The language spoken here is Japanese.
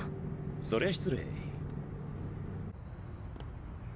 そりゃ失礼。